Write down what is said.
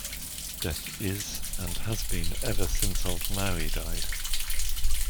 Death is and has been ever since old Maui died.